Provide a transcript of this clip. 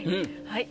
はい。